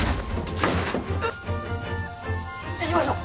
行きましょう！